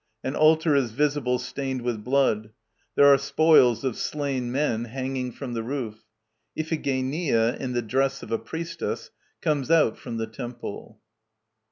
An altar is visible stained with blood. There are spoils of slain men hanging from the roof. IPHIGENIA, in the dress of a Priestess, comes out from the Temple.